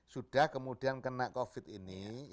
sudah kemudian kena covid ini